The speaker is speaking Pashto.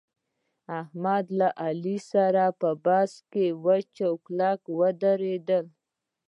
احمد له علي سره په بحث کې وچ کلک ودرېدل